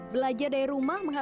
belajar dari rumah